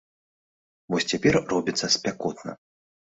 Вось цяпер робіцца спякотна.